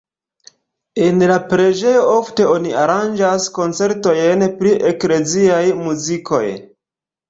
En la preĝejo ofte oni aranĝas koncertojn pri ekleziaj muzikoj.